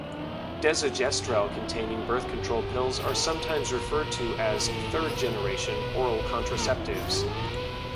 Desogestrel-containing birth control pills are sometimes referred to as "third generation" oral contraceptives.